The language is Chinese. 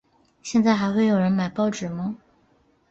现在还有人会买报纸吗？